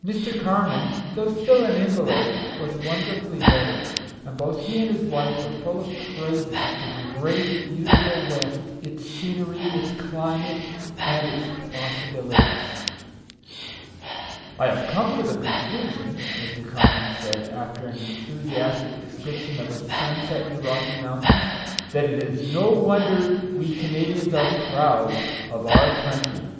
Mr. Carman, though still an invalid, was wonderfully better, and both he and his wife were full of praises of the great, beautiful West, its scenery, its climate, and its possi bilities. " I have come to the conclusion," Mr. Carman said, after an enthusiastic description of a sunset in the Rocky Mountains, " that it is no wonder we Canadians are proud of our country."